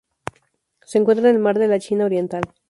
Se encuentra en el Mar de la China Oriental.